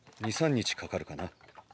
２３日かかるかな。